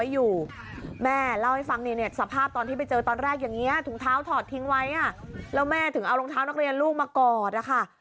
อย่างเงี้ยถุงเท้าถอดทิ้งไว้แล้วแม่ถึงเอารองเท้านักเรียนลูกมากอด